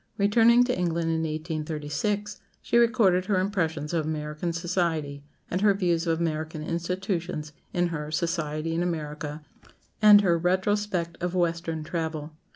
Returning to England in 1836, she recorded her impressions of American society, and her views of American institutions in her "Society in America" and her "Retrospect of Western Travel."